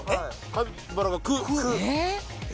カピバラが「ク」